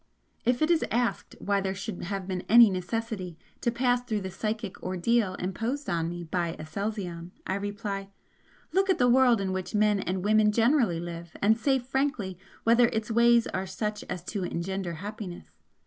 If it is asked why there should have been any necessity to pass through the psychic ordeal imposed on me by Aselzion, I reply Look at the world in which men and women generally live, and say frankly whether its ways are such as to engender happiness!